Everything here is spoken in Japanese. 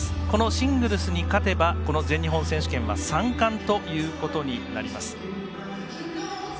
このシングルスに勝てばこの全日本選手権は３冠ということになります。